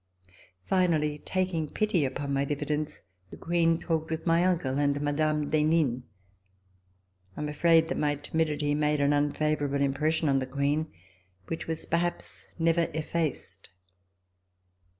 Finally, tak ing pity upon my diffidence, the Queen talked with my uncle and Mme. d'Henin. I am afraid that my timidity made an unfavorable impression on the Queen, which was perhaps never effaced.